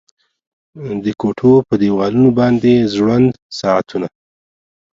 د کوټو په دیوالونو باندې ځوړند ساعتونه